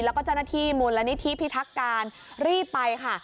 แล้วก็เจ้าหน้าที่มูลนิธิพิทักการรีบไปค่ะ